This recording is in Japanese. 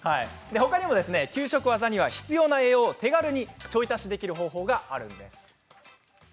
他にも給食ワザには必要な栄養を手軽にちょい足しできる方法もあるんです。